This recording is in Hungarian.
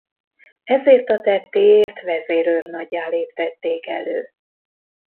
Ezért a tettéért vezérőrnaggyá léptették elő.